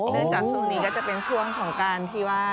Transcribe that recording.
จากช่วงนี้ก็จะเป็นช่วงของการที่ว่า